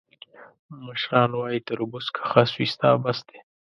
مشران وایي: تربور که خس وي، ستا بس دی.